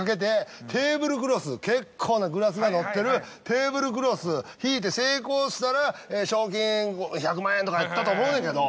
結構なグラスがのってるテーブルクロス引いて成功したら賞金１００万円とかやったと思うねんけど。